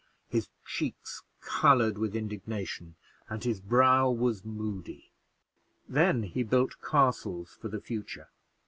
His cheeks colored with indignation, and his brow was moody. Then he built castles for the future.